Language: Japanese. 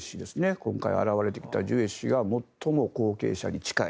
今回現れてきたジュエ氏が最も後継者に近い。